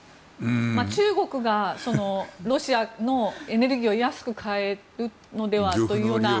中国がロシアのエネルギーを安く買うのではという話も。